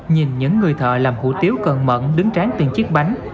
nhìn những người thợ làm hủ tiếu cơn mận đứng tráng tiền chiếc bánh